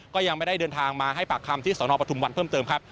ก็ยังไม่ได้เดินทางมาให้ปากคำที่สนปทุมวันเพิ่มเติมครับ